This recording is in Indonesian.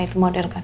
itu model kan